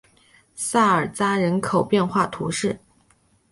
萨尔扎人口变化图示